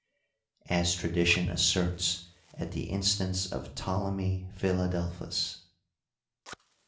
as tradition asserts at the instance of Ptolemy Philadelphus.